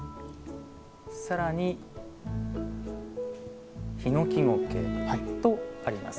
さらに、ヒノキゴケとあります。